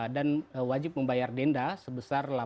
dan wajib membayar denda sebesar delapan belas sembilan triliun